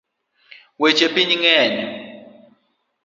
Weche piny ng’eny